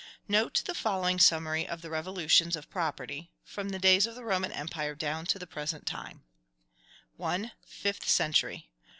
Note the following summary of the revolutions of property, from the days of the Roman Empire down to the present time: 1. Fifth century.